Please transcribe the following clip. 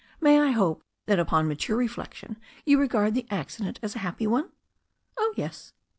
"May I hope that upon mature reflection you regard the accident as a happy one." "Oh, yes."